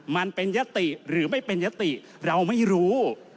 มันเป็นยติหรือไม่เป็นยติเราไม่รู้